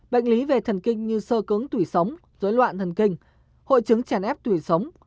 bệnh lý về thần kinh như sơ cứng tủy sống dối loạn thần kinh hội chứng chèn ép tủy sống